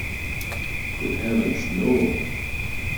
Good heavens, no.